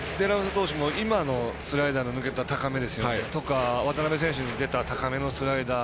デラロサ投手もスライダー抜けた高めとか渡邉選手に出た高めのスライダー。